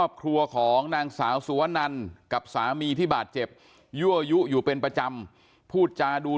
แม่ในแอร์คนก่อเหตุบอกว่า